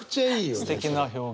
すてきな表現。